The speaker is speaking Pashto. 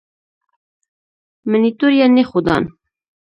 منیټور یعني ښودان.